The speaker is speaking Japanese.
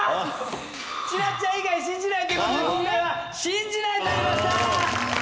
千夏ちゃん以外信じないということで今回は信じないになりました。